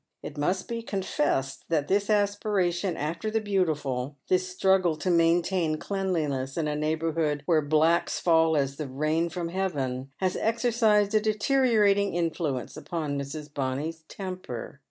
It must be confessed that this aspiration after the beautiful, this struggle to maintain cleanliness in a neighbour liood where blacks fall as the rain from heaven, has exercised a de eriorating influence upon Mrs. Bonny's temper.